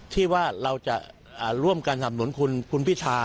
ที่ว่าเราจะร่วมกันสำนุนคุณพิธา